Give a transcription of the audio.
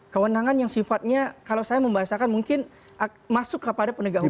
kewenangan yang sifatnya kalau saya membahasakan mungkin masuk kepada penegak hukum